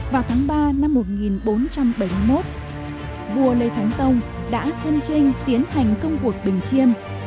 vào tháng ba năm một nghìn bốn trăm bảy mươi một vua lê thánh tông đã thân trinh tiến hành công cuộc bình chiêm